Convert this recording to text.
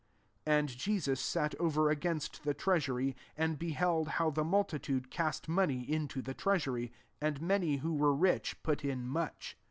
'' 41 And Jesus sat over against the treasury, cmd beheld how the multitude cast money into the treasury: and many who were rich put in much.